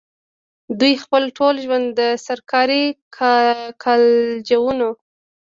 دوي خپل ټول ژوند د سرکاري کالجونو